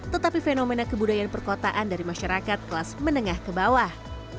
tetapi fenomena kebudayaan perkotaan dari masyarakat kelas menengah ke bawah